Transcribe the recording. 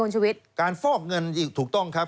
คุณชุวิตการฟอกเงินถูกต้องครับ